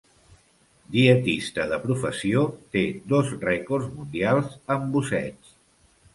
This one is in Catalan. Dietista de professió, té dos rècords mundials en busseig.